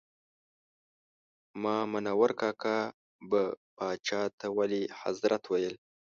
مامنور کاکا به پاچا ته ولي حضرت ویل.